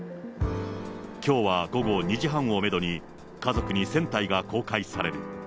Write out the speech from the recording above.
きょうは午後２時半をメドに、家族に船体が公開される。